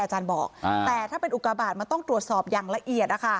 อาจารย์บอกแต่ถ้าเป็นอุกาบาทมันต้องตรวจสอบอย่างละเอียด